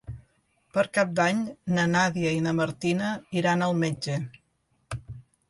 Per Cap d'Any na Nàdia i na Martina iran al metge.